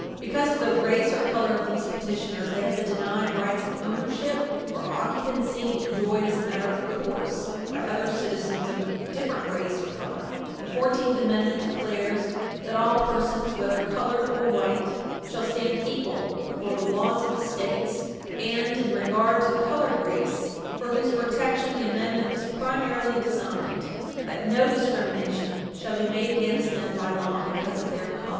Because of the race or color of these petitioners, they have been denied rights of ownership or occupancy enjoyed as a matter of course by other citizens of different race or Page 334 U. S. 21 color. [Footnote 25] The Fourteenth Amendment declares "that all persons, whether colored or white, shall stand equal before the laws of the States, and, in regard to the colored race, for whose protection the amendment was primarily designed, that no discrimination shall be made against them by law because of their color.